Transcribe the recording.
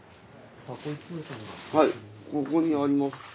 ここにあります。